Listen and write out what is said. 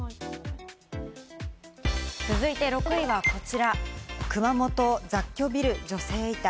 続いて６位はこちら熊本雑居ビル、女性遺体。